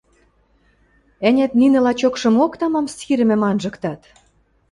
Ӓнят, нинӹ лачокшымок тамам сирӹмӹм анжыктат?